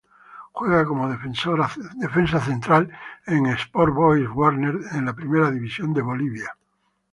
Juega como defensa central en Sport Boys Warnes de la Primera División de Bolivia.